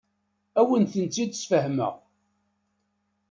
Ad awent-t-id-sfehmeɣ.